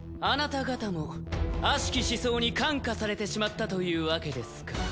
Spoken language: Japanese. あなた方も悪しき思想に感化されてしまったというわけですか。